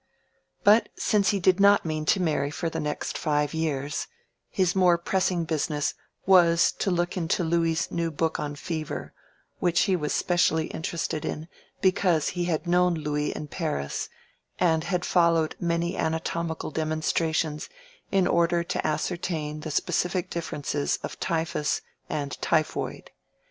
But since he did not mean to marry for the next five years—his more pressing business was to look into Louis' new book on Fever, which he was specially interested in, because he had known Louis in Paris, and had followed many anatomical demonstrations in order to ascertain the specific differences of typhus and typhoid.